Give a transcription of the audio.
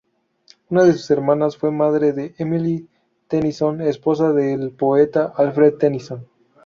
Una de sus hermanas fue madre de Emily Tennyson, esposa del poeta Alfred Tennyson.